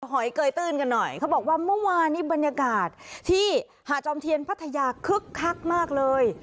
หอยเกยตื้นกันหน่อยเขาบอกว่าเมื่อวานนี้บรรยากาศที่หาดจอมเทียนพัทยาคึกคักมากเลย